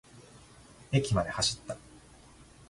駅まで走った。